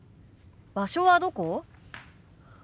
場所はどこ？